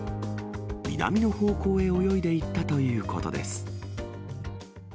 南の方向へ泳いでいったということです。